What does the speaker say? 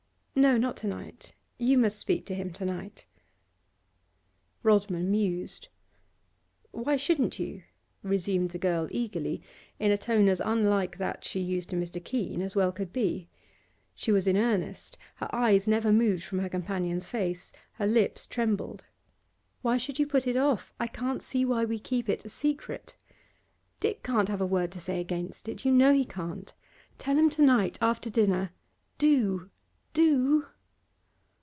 'No, not to night. You must speak to him to night.' Rodman mused. 'Why shouldn't you?' resumed the girl eagerly, in a tone as unlike that she used to Mr. Keene as well could be. She was in earnest; her eyes never moved from her companion's face; her lips trembled. 'Why should you put it off? I can't see why we keep it a secret. Dick can't have a word to say against it; you know he can't. Tell him to night after dinner. Do! do!